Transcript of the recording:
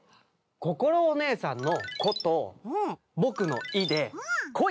こころおねえさんの「こ」と僕の「い」で「鯉」。